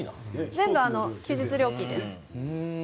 全部、休日料金です。